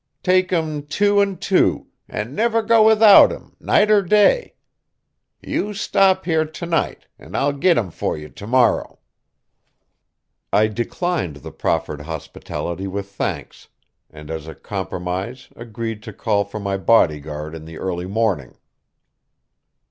Take 'em two and two, and never go without 'em, night or day. You stop here to night, and I'll git 'em for you to morrow." I declined the proffered hospitality with thanks, and as a compromise agreed to call for my bodyguard in the early morning.